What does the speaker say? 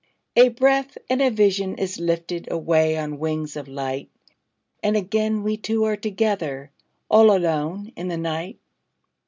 A breath, and the vision is lifted Away on wings of light, And again we two are together, All alone in the night.